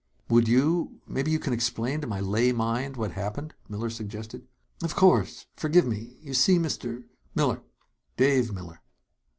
"Would you maybe you can explain to my lay mind what's happened," Miller suggested. "Of course. Forgive me. You see, Mr. " "Miller. Dave Miller."